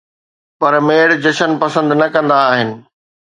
پر ميڙ جشن پسند نه ڪندا آھن